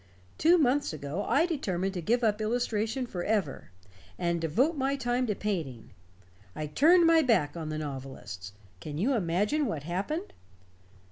Two months ago, I determined to give up illustration forever, and devote my time to painting. I turned my back on the novelists. Can you imagine what happened?"